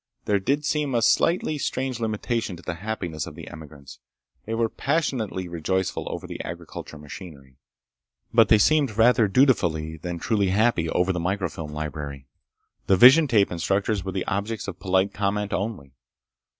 There did seem a slightly strange limitation to the happiness of the emigrants. They were passionately rejoiceful over the agricultural machinery. But they seemed rather dutifully than truly happy over the microfilm library. The vision tape instructors were the objects of polite comment only.